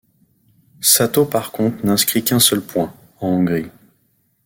Satō par contre n'inscrit qu'un seul point, en Hongrie.